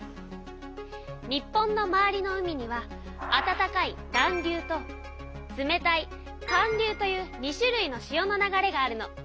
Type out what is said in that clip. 日本の周りの海にはあたたかい暖流と冷たい寒流という２種類の潮の流れがあるの。